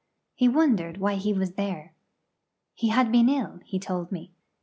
He wondered why he was there. He had been ill, he told me.